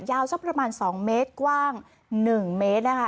ยาวสักประมาณสองเมตรกว้างหนึ่งเมตรนะคะ